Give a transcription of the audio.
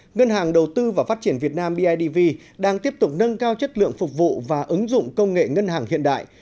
ngân hàng đầu tư và phát triển việt nam bidv đang tiếp tục nâng cao chất lượng phục vụ và ứng dụng công nghệ ngân hàng hiện đại